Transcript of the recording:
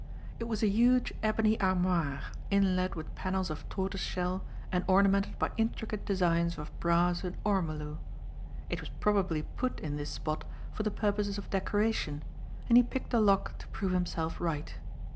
It was a huge ebony armoire inlaid with panels of tortoise shell and ornamented by intricate designs of brass and ormolu. It was probably put in this spot for the purposes of decoration and he picked the lock to prove himself right.